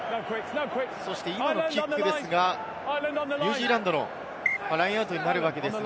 今のキックですが、ニュージーランドのラインアウトになるわけです。